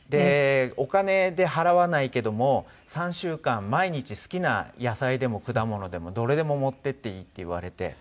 お金で払わないけども３週間毎日好きな野菜でも果物でもどれでも持っていっていいって言われて。